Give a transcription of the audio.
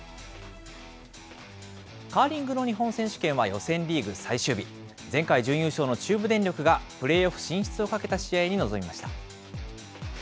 カーリングの日本選手権は予選リーグ最終日、前回準優勝の中部電力がプレーオフ進出をかけた試合に臨みました。